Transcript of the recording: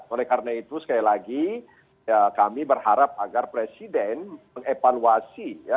oleh karena itu sekali lagi kami berharap agar presiden mengevaluasi ya